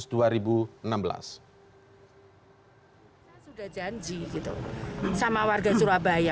saya sudah janji gitu sama warga surabaya